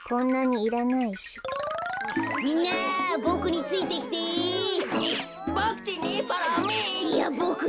いやボクに。